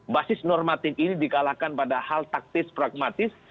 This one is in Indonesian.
basis normatif ini dikalahkan pada hal taktis pragmatis